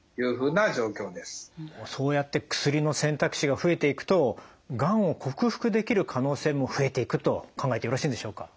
そうやって薬の選択肢が増えていくとがんを克服できる可能性も増えていくと考えてよろしいんでしょうか？